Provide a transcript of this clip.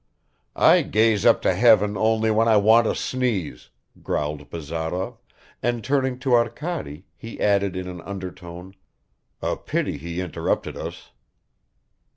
"I gaze up to heaven only when I want to sneeze," growled Bazarov, and turning to Arkady, he added in an undertone: "A pity he interrupted us."